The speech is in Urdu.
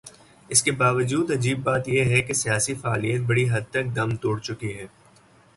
اس کے باوجود عجیب بات یہ ہے کہ سیاسی فعالیت بڑی حد تک دم توڑ چکی ہے۔